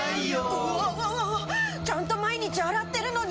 うわわわわちゃんと毎日洗ってるのに。